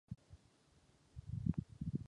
Ze školy vystoupil jako nadporučík.